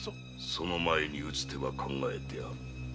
その前に打つ手は考えてある。